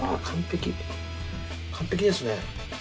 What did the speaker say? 完璧ですね。